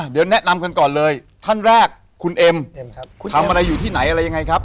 เดี๋ยวแนะนำกันก่อนเลยท่านแรกคุณเอ็มครับทำอะไรอยู่ที่ไหนอะไรยังไงครับ